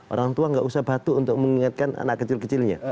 orang tua nggak usah batuk untuk mengingatkan anak kecil kecilnya